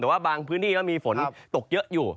แต่ว่าบางพื้นที่ก็มีฝนตกเยอะอยู่